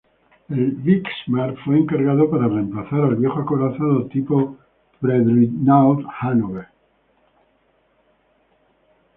El "Bismarck" fue encargado para reemplazar al viejo acorazado tipo pre-dreadnought "Hannover".